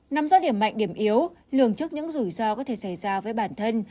nắm rõ điểm mạnh điểm yếu lường trước những rủi ro có thể xảy ra với bản thân